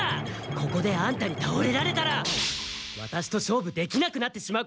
ここでアンタにたおれられたらワタシと勝負できなくなってしまうからな。